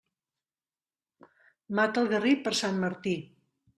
Mata el garrí per Sant Martí.